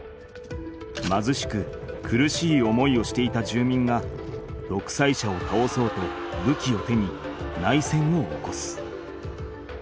まずしく苦しい思いをしていた住民がどくさい者をたおそうとぶきを手に内戦を起こす。